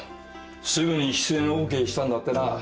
すぐに出演をＯＫしたんだってな。